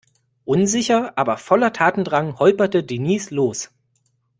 Unsicher, aber voller Tatendrang holperte Denise los.